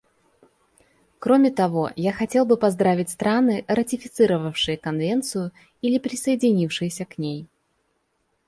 Кроме того, я хотел бы поздравить страны, ратифицировавшие Конвенцию или присоединившиеся к ней.